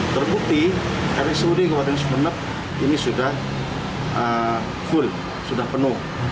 terbukti rsi kepala kepala kepala sumeneb ini sudah full sudah penuh